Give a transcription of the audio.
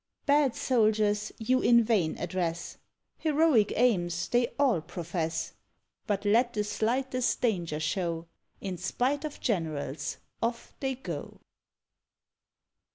Bad soldiers you in vain address; Heroic aims they all profess; But let the slightest danger show, In spite of generals, off they go.